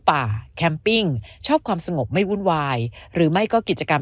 ป่าแคมปิ้งชอบความสงบไม่วุ่นวายหรือไม่ก็กิจกรรม